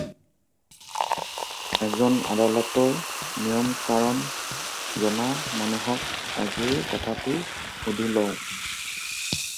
এজন আদালতৰ নিয়ম-কাৰণ জনা মানুহক আগেয়ে কথাটো সুধি লওঁ।